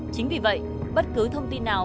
chính vì vậy bất cứ thông tin nào